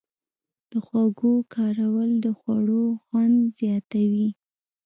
د خوږو کارول د خوړو خوند زیاتوي.